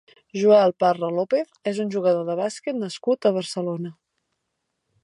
Joel Parra López és un jugador de bàsquet nascut a Barcelona.